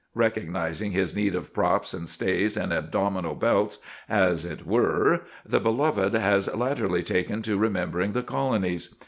Recognising his need of props and stays and abdominal belts, as it were, the Beloved has latterly taken to remembering the Colonies.